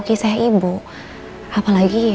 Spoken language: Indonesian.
kisah ibu apalagi